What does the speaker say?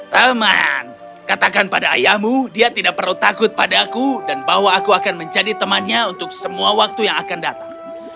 teman katakan pada ayahmu dia tidak perlu takut pada aku dan bahwa aku akan menjadi temannya untuk semua waktu yang akan datang